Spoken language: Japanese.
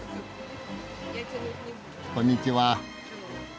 こんにちは。